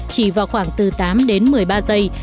chỉ vào khoảng từ tám đến một mươi ba giây